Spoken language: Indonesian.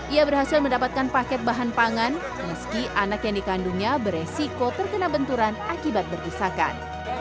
ia berhasil mendapatkan paket bahan pangan meski anak yang dikandungnya beresiko terkena benturan akibat berpisahkan